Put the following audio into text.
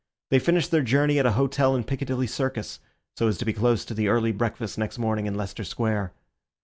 They finished their journey at an hotel in Piccadilly Circus, so as to be close to the early breakfast next morning in Leicester Square.